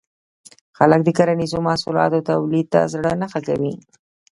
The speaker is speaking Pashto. خلک د کرنیزو محصولاتو تولید ته زړه نه ښه کوي.